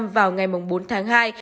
vào ngày bốn tháng hai